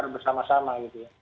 bersama sama gitu ya